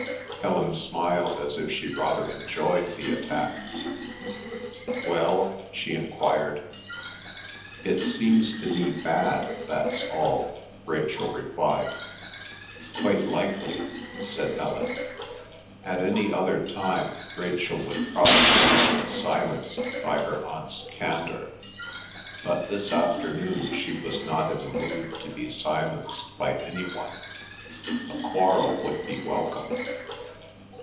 Helen smiled as if she rather enjoyed the attack. "Well?" she enquired. "It seems to me bad—that's all," Rachel replied. "Quite likely," said Helen. At any other time Rachel would probably have been silenced by her Aunt's candour; but this afternoon she was not in the mood to be silenced by any one. A quarrel would be welcome.